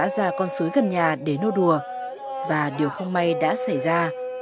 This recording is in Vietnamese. ra con suối gần nhà để nô đùa và điều không may đã xảy ra